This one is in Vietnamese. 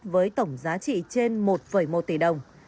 với tổng giá trị trên một một tỷ đồng